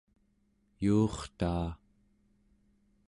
yuurtaa